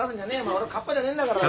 俺はカッパじゃねえんだからよ。